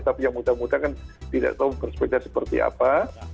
tapi yang muda muda kan tidak tahu bersepeda seperti apa